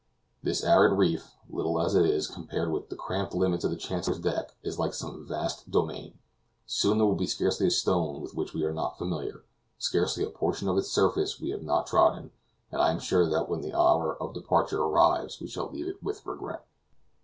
This arid reef, little as it is, compared with the cramped limits of the Chancellor's deck is like some vast domain; soon there will be scarcely a stone with which we are not familiar, scarcely a portion of its surface which we have not trodden, and I am sure that when the hour of departure arrives we shall leave it with regret.